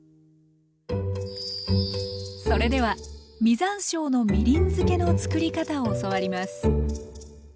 それでは実山椒のみりん漬けの作り方を教わります